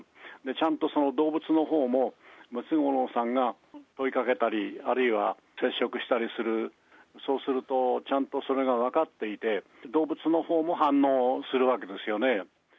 ちゃんと、その動物のほうも、ムツゴロウさんが問いかけたり、あるいは接触したりする、そうすると、ちゃんとそれが分かっていて、動物のほうも反応をするわけですよね。